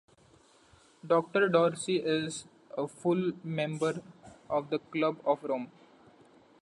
Doctor Dorsey is a "Full member" of the Club of Rome.